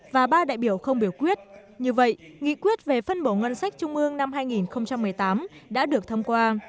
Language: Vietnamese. và ba đại biểu không biểu quyết như vậy nghị quyết về phân bổ ngân sách trung ương năm hai nghìn một mươi tám đã được thông qua